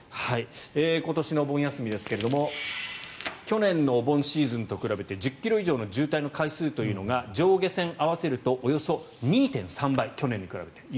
今年のお盆休みですが去年のお盆シーズンと比べて１０ｋｍ以上の渋滞の回数は上下線合わせるとおよそ２．３倍去年と比べると。